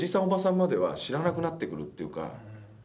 おばさんまでは知らなくなってくるっていうか。